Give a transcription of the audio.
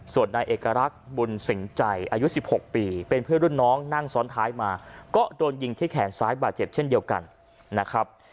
ส่วนนายเอกรักษ์บุญสิงใจอายุ๑๖ปีเป็นเพื่อนรุ่นน้องนั่งซ้อนท้ายมาก็โดนยิงที่แขนซ้ายบาดเจ็บเช่นเดียวกันนะครับ